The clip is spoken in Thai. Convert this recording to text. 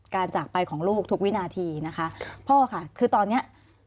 จากไปของลูกทุกวินาทีนะคะพ่อค่ะคือตอนเนี้ย